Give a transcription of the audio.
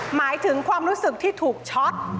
หมายถึงความรู้สึกที่ถูกช็อต